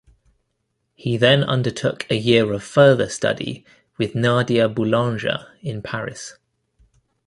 He then undertook a year of further study with Nadia Boulanger in Paris.